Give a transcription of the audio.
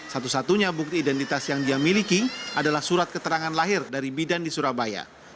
satu satunya bukti identitas yang dia miliki adalah surat keterangan lahir dari bidan di surabaya